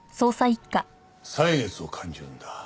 歳月を感じるんだ。